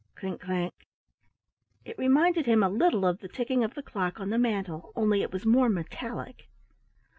clink clank! It reminded him a little of the ticking of the clock on the mantle, only it was more metallic.